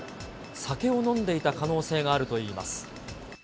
酒を飲んでいた可能性があるといいます。